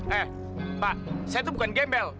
eh pak saya itu bukan gembel